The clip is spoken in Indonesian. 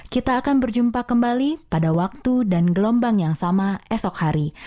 kita akan berjumpa kembali pada waktu dan gelombang yang sama esok hari